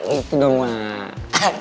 itu dong mak